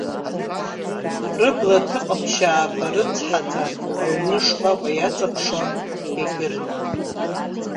Рыбла ҭыҟаԥшьаақәа рыцҳаӡа аҩны шкәакәа иаҵаԥшуан, егьырҭ.